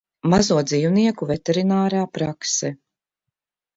Mazo dzīvnieku veterinārā prakse